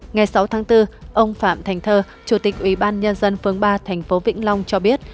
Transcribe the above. ngày sáu tháng bốn ông phạm thành thơ chủ tịch ủy ban nhân dân phương ba thành phố vĩnh long cho biết